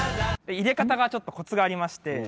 入れ方がちょっとコツがありまして。